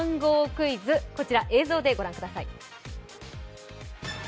クイズ映像でご覧ください。